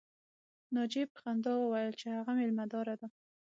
ناجیې په خندا وویل چې هغه مېلمه داره ده